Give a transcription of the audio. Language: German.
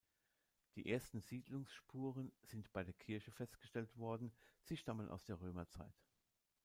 Die ersten Siedlungsspuren sind bei der Kirche festgestellt worden, sie stammen aus der Römerzeit.